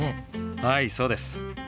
はいそうです。